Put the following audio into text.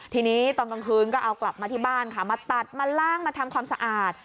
ทีนี้ตอนกลางคืนก็เอากลับมาที่บ้านค่ะมาตัดมาล่างมาทำความสะอาด